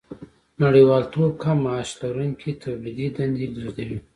نړیوالتوب کم معاش لرونکي تولیدي دندې لېږدوي